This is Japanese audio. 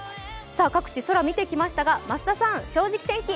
各地、空見てきましたが増田さん「正直天気」